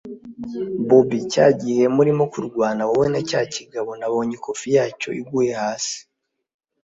bobi cyagihe murimo kurwana wowe na cyakigabo nabonye ikofi yacyo iguye hasi